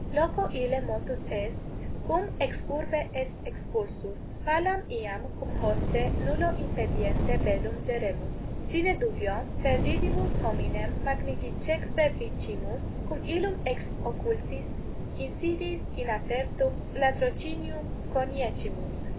Loco ille motus est, cum ex urbe est expulsus. Palam iam cum hoste nullo impediente bellum geremus. Sine dubio perdidimus hominem magnificeque vicimus, cum illum ex occultis insidiis in apertum latrocinium coniecimus.